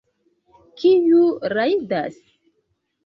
Kiu rajdas?